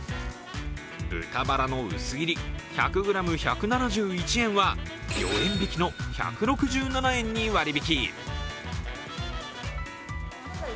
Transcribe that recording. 豚バラの薄切り１００ｇ１７１円は４円引きの１６７円に割引。